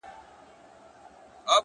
د مخ پر لمر باندي رومال د زلفو مه راوله؛